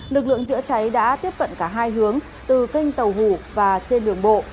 lực lượng chữa cháy đã tiếp cận cả hai hướng từ kênh tàu hủ và trên đường bộ